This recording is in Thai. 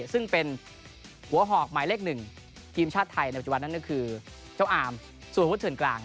ซึ่งเป็นหัวหอกหมายเลขหนึ่งทีมชาติไทยในปัจจุบันนั้นคือเจ้าอาร์มส่วนฮุฒิเฉินกลาง